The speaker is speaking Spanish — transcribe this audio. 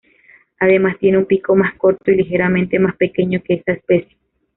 Además, tiene un pico más corto y ligeramente más pequeño que esa especie.